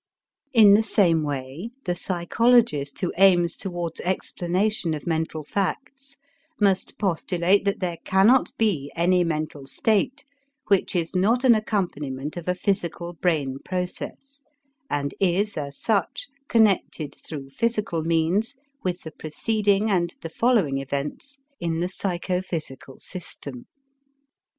In the same way the psychologist who aims towards explanation of mental facts must postulate that there cannot be any mental state which is not an accompaniment of a physical brain process, and is as such connected through physical means with the preceding and the following events in the psychophysical system.